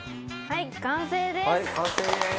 はい完成です！